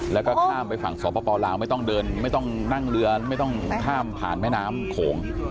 แล้วก็ข้ามไปฝั่งสปลาวไม่ต้องเดินไม่ต้องนั่งเรือไม่ต้องข้ามผ่านแม่น้ำโขง